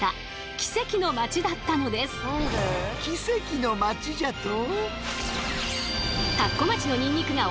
奇跡の町じゃと！？